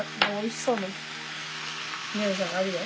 そう？